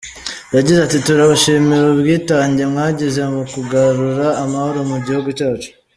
Yagize ati: “Turabashimira ubwitange mwagize mu kugarura amahoro mu gihugu cyacu.